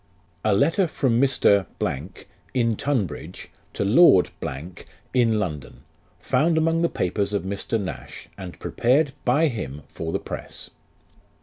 A Letter from Mr. in Tunbridge to Lord in London, found among the papers of Mr. Nash, and prepared by him for the press.